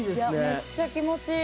めっちゃ気持ちいい。